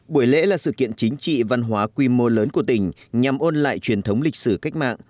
buổi lễ là sự kiện chính trị văn hóa quy mô lớn của tỉnh nhằm ôn lại truyền thống lịch sử cách mạng